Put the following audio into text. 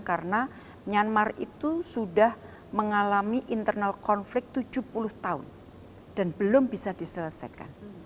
karena myanmar itu sudah mengalami internal conflict tujuh puluh tahun dan belum bisa diselesaikan